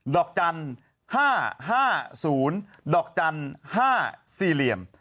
ดอกจันทร์๕๕๐ดอกจันทร์๕๔เหลี่ยม